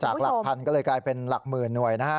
หลักพันก็เลยกลายเป็นหลักหมื่นหน่วยนะฮะ